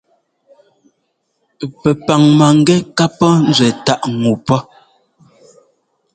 Pɛpaŋ mangɛ́ ká pɔ́ nzuɛ táʼ ŋu pɔ́.